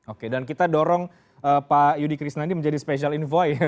oke dan kita dorong pak yudi krisnandi menjadi special envoy